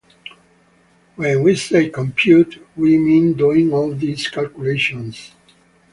When we say ‘compute’, we mean doing all these calculations.